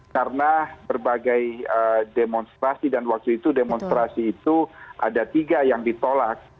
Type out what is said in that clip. karena berbagai demonstrasi dan waktu itu demonstrasi itu ada tiga yang ditolak